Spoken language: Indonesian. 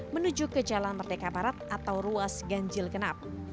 menuju ke jalan merdeka barat atau ruas ganjil genap